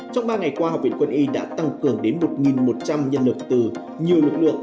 trong ba ngày qua học viện quân y đã tăng cường đến một một trăm linh nhân lực từ nhiều lực lượng